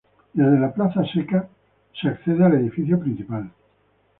Desde la plaza seca se accede al edificio principal.